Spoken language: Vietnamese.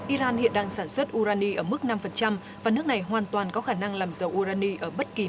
iran hiện đang sản xuất urani ở mức năm và nước này hoàn toàn có khả năng làm dầu urani ở bất kỳ